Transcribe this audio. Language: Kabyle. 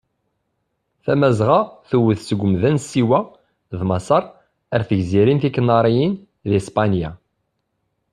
Tamazɣa tewwet seg umda n Siwa d Maseṛ ar d tigzirin tikaniriyin di Spanya.